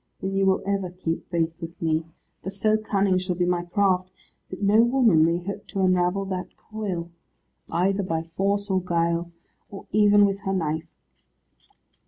Then you will ever keep faith with me, for so cunning shall be my craft, that no woman may hope to unravel that coil, either by force or guile, or even with her knife."